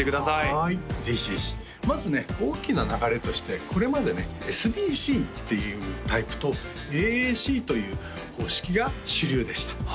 はいぜひぜひまずね大きな流れとしてこれまでねＳＢＣっていうタイプとＡＡＣという方式が主流でした